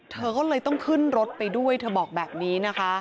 เธอก็เลยต้องขึ้นรถไปด้วยเธอบอกแบบนี้นะคะ